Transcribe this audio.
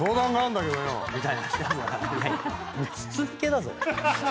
筒抜けだぞ。